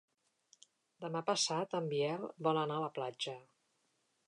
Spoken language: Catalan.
Demà passat en Biel vol anar a la platja.